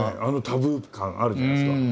あのタブー感あるじゃないですか。